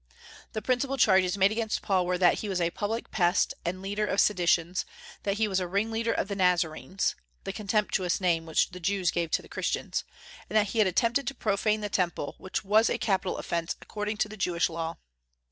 The principal charges made against Paul were that he was a public pest and leader of seditions; that he was a ringleader of the Nazarenes (the contemptuous name which the Jews gave to the Christians); and that he had attempted to profane the Temple, which was a capital offence according to the Jewish law.